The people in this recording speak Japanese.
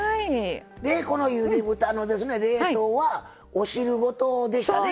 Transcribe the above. このゆで豚の冷凍はお汁ごとでしたね。